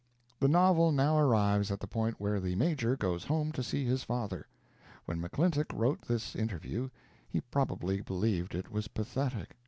The novel now arrives at the point where the Major goes home to see his father. When McClintock wrote this interview he probably believed it was pathetic.